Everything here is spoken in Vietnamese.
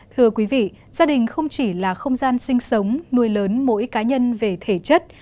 thưa quý vị gia đình không chỉ là không gian sinh sống nuôi lớn mỗi cá nhân về thể chất